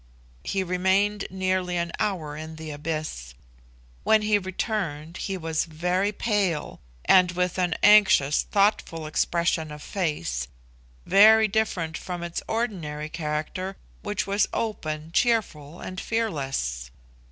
He remained nearly an hour in the abyss. When he returned he was very pale, and with an anxious, thoughtful expression of face, very different from its ordinary character, which was open, cheerful, and fearless.